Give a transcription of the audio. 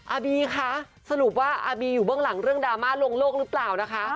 อาบีคะสรุปว่าอาบีอยู่เบื้องหลังเรื่องดราม่าลวงโลกหรือเปล่านะคะ